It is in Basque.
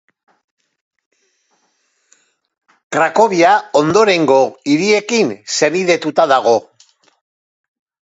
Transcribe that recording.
Krakovia ondorengo hiriekin senidetuta dago.